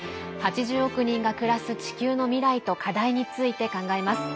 ８０億人が暮らす地球の未来と課題について考えます。